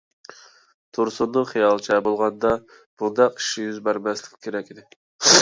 تۇرسۇننىڭ خىيالىچە بولغاندا بۇنداق ئىش يۈز بەرمەسلىكى كېرەك ئىدى.